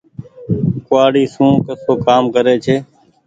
ڪوُوآڙي سون ڪسو ڪآم ڪري ڇي۔